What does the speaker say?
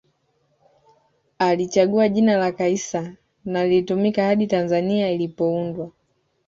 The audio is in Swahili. Alichagua jina la Kaiser na lilitumika hadi Tanzania ilipoundwa